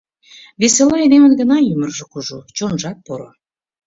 Весела айдемын гына ӱмыржӧ кужу, чонжат поро.